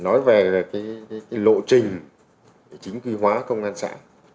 nói về cái lộ trình chính quy hóa công an xã